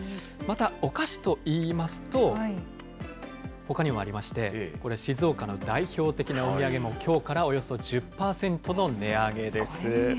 また、お菓子といいますと、ほかにもありまして、これ、静岡の代表的なお土産もきょうからおよそ１０％の値上げです。